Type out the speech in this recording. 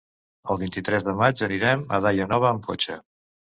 El vint-i-tres de maig anirem a Daia Nova amb cotxe.